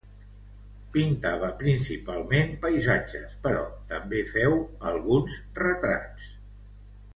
Pintava principalment paisatges, però també féu alguns retrats.